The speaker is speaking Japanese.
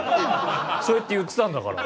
そうやって言ってたんだから。